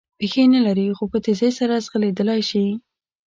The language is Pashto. پښې نه لري خو په تېزۍ سره ځغلېدلای شي.